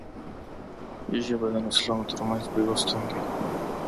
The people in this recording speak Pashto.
ژبه د نسلونو ترمنځ پیوستون دی